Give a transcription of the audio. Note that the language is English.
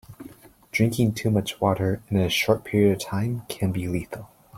Drinking too much water in a short period of time can be lethal.